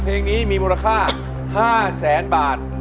เพลงนี้มีมูลค่า๕๐๐๐๐๐บาท